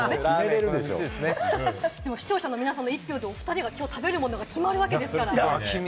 視聴者の皆さんの一票できょうお２人が食べるものが決まるわけですから。